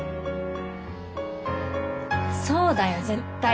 そうだよ絶対。